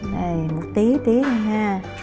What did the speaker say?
đây một tí tí nha